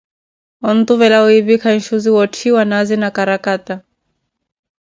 Ontuvela wipikha nxuzi wootthiwa naazi na karakata.